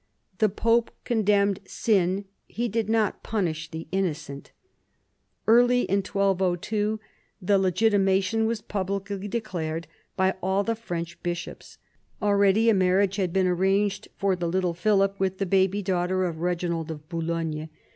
The pope condemned sin, he did not punish the innocent. Early in 1202 the legitimation was publicly declared by all the French bishops. Already a marriage had been arranged for the little Philip with the baby daughter of Eeginald of Boulogne.